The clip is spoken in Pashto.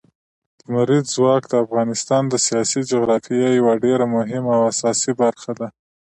لمریز ځواک د افغانستان د سیاسي جغرافیې یوه ډېره مهمه او اساسي برخه ده.